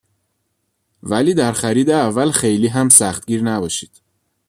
ولی در خرید اول خیلی هم سختگیر نباشید.